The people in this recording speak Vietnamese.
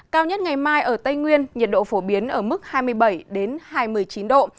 cao nhất ngày mai ở tây nguyên nhiệt độ phổ biến ở mức hai mươi bảy hai mươi chín độ